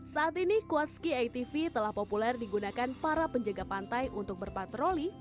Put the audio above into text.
saat ini kuatski atv telah populer digunakan para penjaga pantai untuk berpatroli